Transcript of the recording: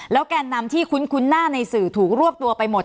แกนนำที่คุ้นหน้าในสื่อถูกรวบตัวไปหมด